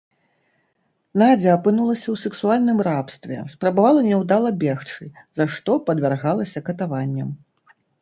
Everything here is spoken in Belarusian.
Надзя апынулася ў сексуальным рабстве, спрабавала няўдала бегчы, за што падвяргалася катаванням.